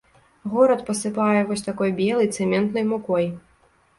Горад пасыпае вось такой белай цэментнай мукой.